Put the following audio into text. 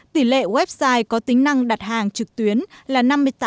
tỷ lệ website có tính năng đặt hàng trực tuyến là năm mươi tám